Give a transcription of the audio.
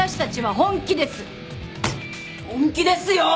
本気ですよ！！